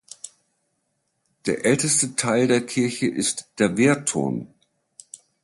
Der älteste Teil der Kirche ist der Wehrturm.